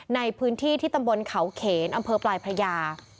ในพื้นที่ที่ตำบลเขาเขนอำเภอปลายพระยา